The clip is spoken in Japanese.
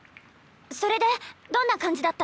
それでどんな感じだった？